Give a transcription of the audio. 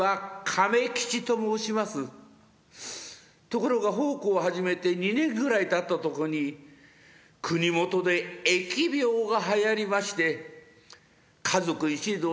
ところが奉公を始めて２年ぐらいたったとこに国元で疫病がはやりまして家族一同